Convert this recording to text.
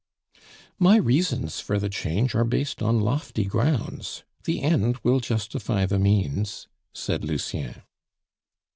"My reasons for the change are based on lofty grounds; the end will justify the means," said Lucien.